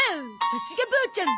さすがボーちゃん。